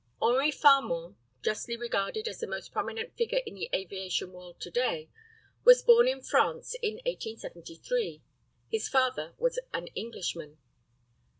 HENRI FARMAN, justly regarded as the most prominent figure in the aviation world today, was born in France in 1873. His father was an Englishman.